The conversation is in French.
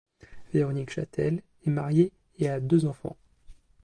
Véronique Chastel est mariée et a deux enfants.